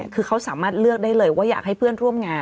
คือเขาสามารถเลือกได้เลยว่าอยากให้เพื่อนร่วมงาน